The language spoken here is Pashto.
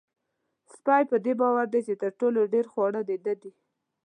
سپی په دې باور دی چې تر ټولو ډېر خواړه د ده دي.